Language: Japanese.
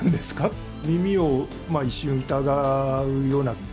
と、耳を一瞬疑うような。